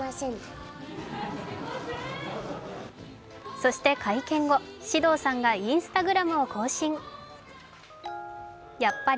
そして会見後、獅童さんがＩｎｓｔａｇｒａｍを更新。